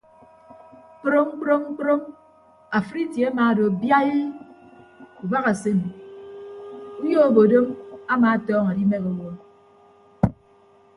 Kprom kprom kprom afịd itie amaado biaii ubahasen uyo obodom ama atọñọ adimehe owo.